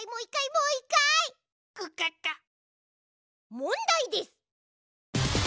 もんだいです。